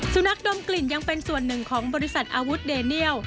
นักดมกลิ่นยังเป็นส่วนหนึ่งของบริษัทอาวุธเดเนียล